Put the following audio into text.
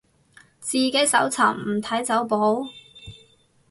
自己搜尋，唔睇走寶